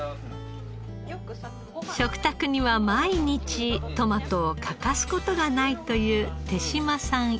食卓には毎日トマトを欠かす事がないという手島さん一家。